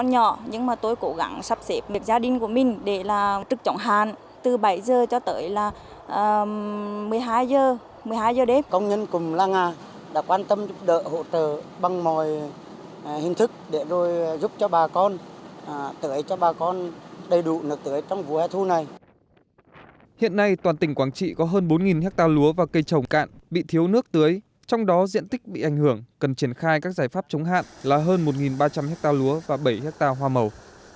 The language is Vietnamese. hiện nay toàn tỉnh quảng trị có hơn bốn ha lúa và cây trồng cạn bị thiếu nước tưới trong đó diện tích bị ảnh hưởng cần triển khai các giải pháp chống hạn là hơn một ba trăm linh ha lúa và bảy ha hoa màu